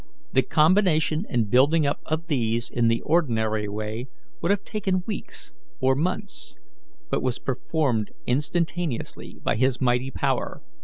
The combination and building up of these in the ordinary way would have taken weeks or months, but was performed instantaneously by His mighty power."